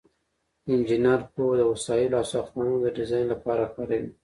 انجینر پوهه د وسایلو او ساختمانونو د ډیزاین لپاره کاروي.